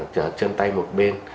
chở chân tay một bên